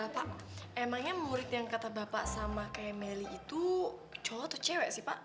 pak emangnya murid yang kata bapak sama kayak melly itu cowok atau cewek sih pak